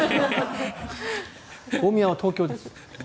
大宮は東京です。